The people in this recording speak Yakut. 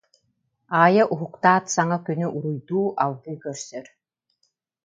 Аайа уһуктаат саҥа күнү уруйдуу, алгыы көрсөр.